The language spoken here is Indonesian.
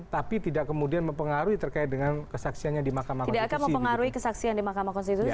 tapi tidak kemudian mempengaruhi terkait dengan kesaksiannya di mahkamah konstitusi